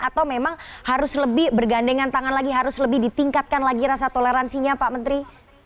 atau memang harus lebih bergandengan tangan lagi harus lebih ditingkatkan lagi rasa toleransinya pak menteri